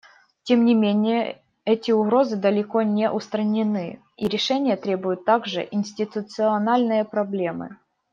Тем не менее, эти угрозы далеко не устранены, и решения требуют также институциональные проблемы.